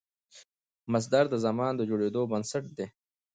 مصدر د زمان د جوړېدو بنسټ دئ.